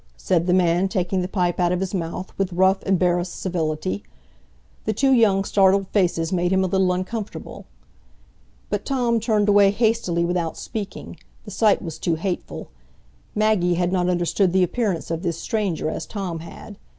said the man, taking the pipe out of his mouth, with rough, embarrassed civility. The two young startled faces made him a little uncomfortable. But Tom turned away hastily without speaking; the sight was too hateful. Maggie had not understood the appearance of this stranger, as Tom had.